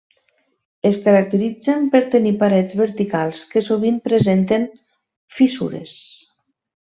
Es caracteritzen per tenir parets verticals que sovint presenten fissures.